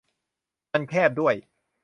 มันแคบด้วย